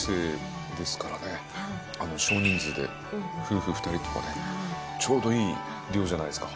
少人数で夫婦２人とかでちょうどいい量じゃないですか。